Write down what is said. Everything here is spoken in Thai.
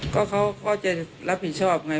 ก็เขาก็จะรับผิดชอบไง